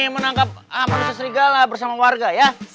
menangkap manusia serigala bersama warga ya